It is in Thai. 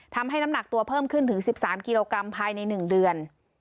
น้ำหนักตัวเพิ่มขึ้นถึง๑๓กิโลกรัมภายใน๑เดือน